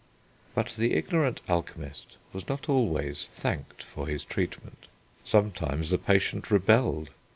But the ignorant alchemist was not always thanked for his treatment. Sometimes the patient rebelled.